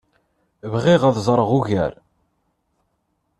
Bɣiɣ ad ẓreɣ ugar.